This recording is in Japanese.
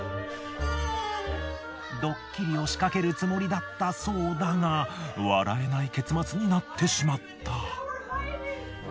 ドッキリを仕掛けるつもりだったそうだが笑えない結末になってしまった。